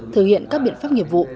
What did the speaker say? thực hiện các biện pháp nghiệp vụ